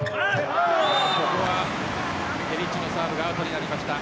ここはペリッチのサーブがアウトになりました。